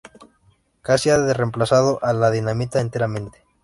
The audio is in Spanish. Casi ha reemplazado a la dinamita enteramente.